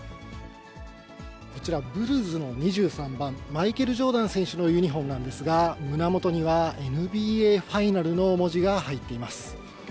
こちら、ブルズの２３番、マイケル・ジョーダン選手のユニホームなんですが、胸元には、ＮＢＡファイナルの文字が入っています。